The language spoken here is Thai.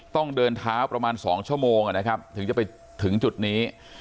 ต้องเดินเท้าประมาณ๒ชั่วโมงนะครับถึงจะไปถึงจุดนี้